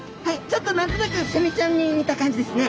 ちょっと何となくセミちゃんに似た感じですね。